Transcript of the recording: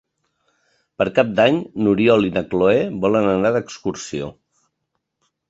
Per Cap d'Any n'Oriol i na Cloè volen anar d'excursió.